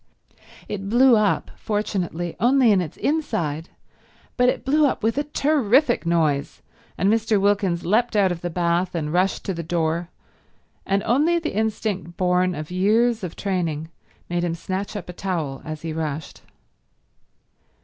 It blew up, fortunately, only in its inside, but it blew up with a terrific noise, and Mr. Wilkins leapt out of the bath and rushed to the door, and only the instinct born of years of training made him snatch up a towel as he rushed.